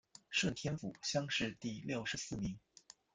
顺天府乡试第六十四名。